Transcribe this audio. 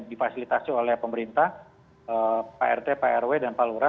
difasilitasi oleh pemerintah prt prw dan palura